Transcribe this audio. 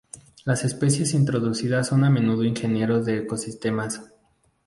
Las especies introducidas son a menudo ingenieros de ecosistemas.